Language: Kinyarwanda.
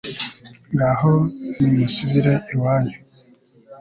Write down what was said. ngaho nimusubire iwanyu